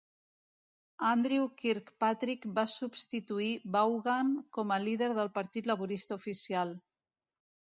Andrew Kirkpatrick va substituir Vaughan com a líder del Partit Laborista oficial.